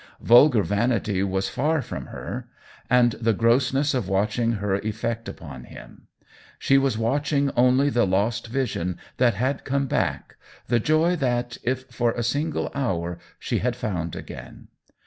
Vulgar vanity was far from her, and the grossness of watching her effect upon him ; she was watching only the lost vision that had come back, the joy that, if for a single hour, she had found again.